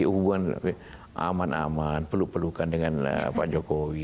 hubungan aman aman peluk pelukan dengan pak jokowi